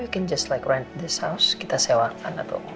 mungkin kita bisa rent house ini kita sewakan atau